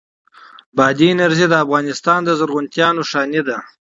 بادي انرژي د افغانستان د زرغونتیا نښه ده.